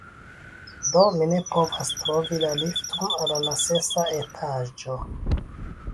Do, mi ne povas trovi la lifton al la sesa etaĝo!